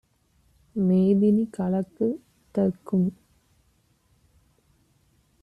மேதினி கலக்கு தற்கும்